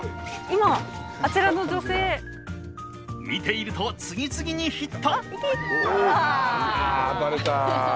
見ていると次々にヒット！